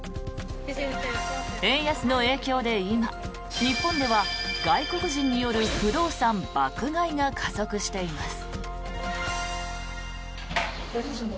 円安の影響で今、日本では外国人による不動産爆買いが加速しています。